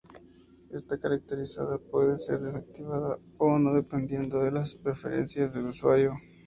Esta característica puede ser desactivada o no dependiendo de las preferencias del usuario.